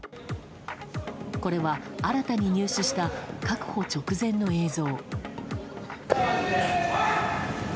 これは新たに入手した確保直前の映像。